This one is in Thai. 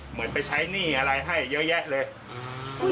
เหมือนไปใช้หนี้อะไรให้เยอะแยะเลย